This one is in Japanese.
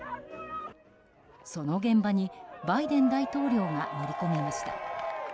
その現場にバイデン大統領が乗り込みました。